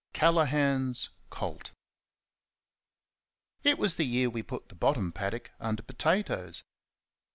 Callaghan's Colt. It was the year we put the bottom paddock under potatoes.